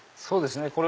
そうですね。